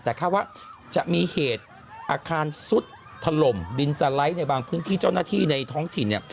แต่คาดว่าจะมีเหตุอาคารซุดถล่มดินสไลด์ในบางพื้นที่เจ้าหน้าที่ในท้องถิ่นเนี่ย